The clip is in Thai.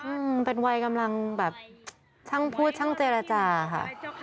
มันเป็นวัยกำลังแบบช่างพูดช่างเจรจาค่ะ